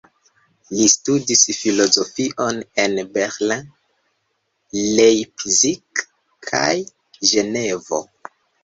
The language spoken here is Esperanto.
Li studis filozofion en Berlin, Leipzig kaj Ĝenevo.